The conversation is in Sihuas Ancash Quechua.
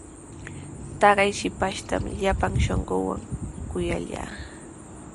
Taqay shipashtami llapan shunquuwan kuyallaa.